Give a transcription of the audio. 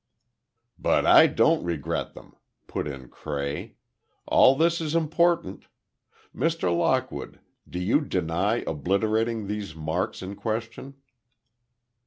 "But I don't regret them," put in Cray. "All this is important. Mr. Lockwood, do you deny obliterating these marks in question?"